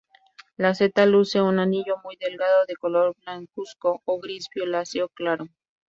La seta luce un anillo muy delgado, de color blancuzco o gris violáceo claro.